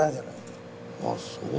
あっそう。